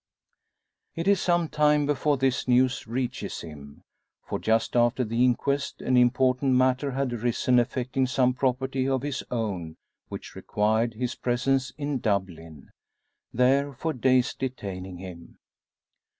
It is some time before this news reaches him. For just after the inquest an important matter had arisen affecting some property of his own, which required his presence in Dublin there for days detaining him.